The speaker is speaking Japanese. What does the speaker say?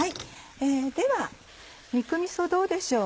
では肉味噌どうでしょう？